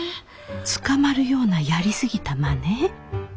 捕まるようなやり過ぎたまね？